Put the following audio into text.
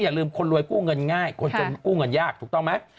อย่าลืมคนรวยกู้เงินง่ายคนจนกู้เงินยากถูกต้องไหม